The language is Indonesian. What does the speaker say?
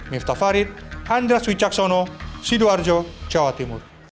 miftah farid andras wicaksono sidoarjo jawa timur